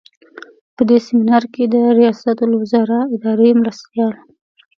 په دې سمینار کې د ریاستالوزراء اداري مرستیال.